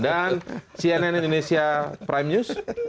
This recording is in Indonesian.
dan cnn indonesia prime news